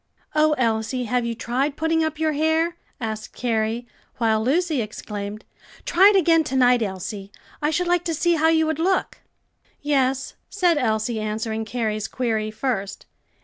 "Oh, Elsie, have you tried putting up your hair?" asked Carrie; while Lucy exclaimed, "Try it again to night, Elsie, I should like to see how you would look." "Yes," said Elsie, answering Carrie's query first.